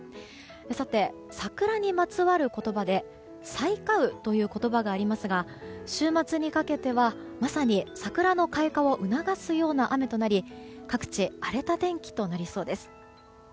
さて、桜にまつわる言葉で催花雨という言葉がありますが週末にかけては、まさに桜の開花を促すような雨となり各地荒れた天気となりそうです。